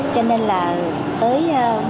cho nên là tới